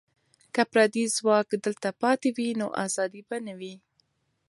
که پردي ځواک دلته پاتې وي، نو ازادي به نه وي.